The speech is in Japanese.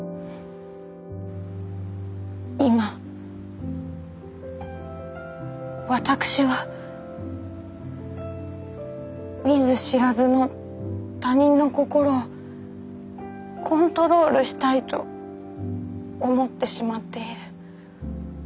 今私は見ず知らずの他人の心をコントロールしたいと思ってしまっている。